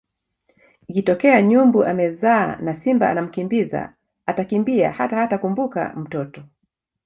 Ikitokea nyumbu amezaa na simba anamkimbiza atakimbia hata hatakumbuka mtoto